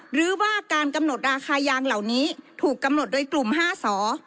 หรือว่าการกำหนดราคายางเหล่านี้ถูกกำหนดโดยกลุ่ม๕สอ